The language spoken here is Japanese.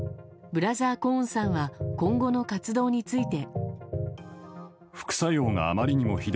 ブラザー・コーンさんは今後の活動について。